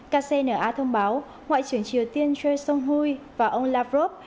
kcna thông báo ngoại trưởng triều tiên jason hui và ông lavrov